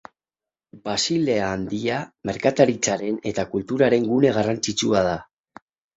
Basilea Handia merkataritzaren eta kulturaren gune garrantzitsua da.